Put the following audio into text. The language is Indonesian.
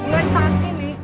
mulai saat ini